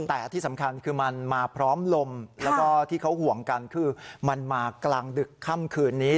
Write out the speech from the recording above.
แต่ที่สำคัญคือมันมาพร้อมลมแล้วก็ที่เขาห่วงกันคือมันมากลางดึกค่ำคืนนี้